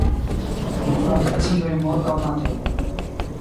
Mi faros decidojn morgaŭ matene.